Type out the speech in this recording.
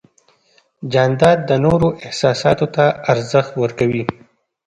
جانداد د نورو احساساتو ته ارزښت ورکوي.